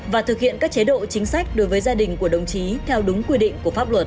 và thực hiện các chế độ chính sách đối với gia đình của đồng chí theo đúng quy định của pháp luật